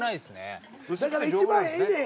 だから一番ええねん。